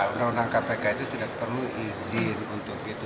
undang undang kpk itu tidak perlu izin untuk itu